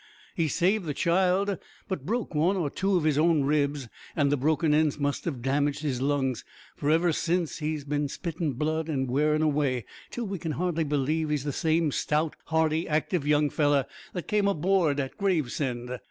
He saved the child, but broke one or two of his own ribs, an' the broken ends must have damaged his lungs, for, ever since, he's bin spittin' blood an' wearin' away, till we can hardly believe he's the same stout, hearty, active young feller that came aboord at Gravesend.